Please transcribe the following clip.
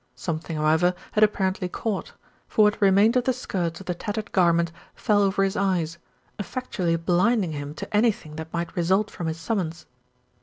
Something, however, had apparently caught; for what remained of the skirts of the tattered garment fell over his eyes, effectually blinding him to anything that might result from his summons.